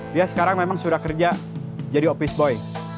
dia sekarang memang sudah kerja jadi office boy